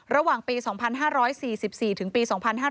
ระหว่างปี๒๕๔๔ถึงปี๒๕๕๙